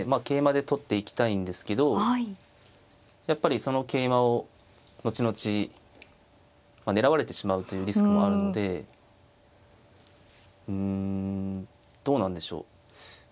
桂馬で取っていきたいんですけどやっぱりその桂馬を後々狙われてしまうというリスクもあるのでうんどうなんでしょう。